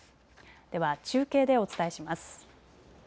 では中継でお伝えします。